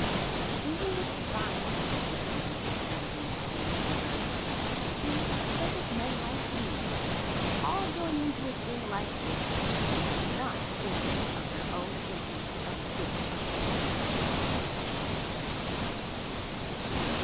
"Isn't it fine," whispered Mr. Spillikins to Mr. Newberry, "to see a set of men like these all going into a thing like this, not thinking of their own interests a bit?"